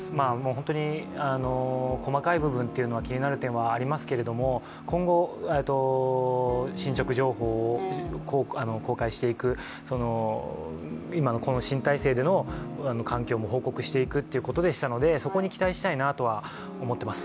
本当に細かい部分っていうのは気になる部分はありますけど、今後、進捗状況を公開していく、今のこの新体制での環境も報告していくということでしたのでそこに期待したいなとは思っています。